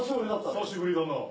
久しぶりだな。